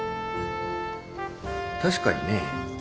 確かにね